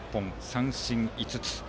三振５つ。